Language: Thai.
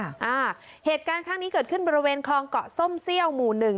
อ่าเหตุการณ์ข้างนี้เกิดขึ้นบริเวณคลองเกาะส้มเซี่ยวหมู่หนึ่ง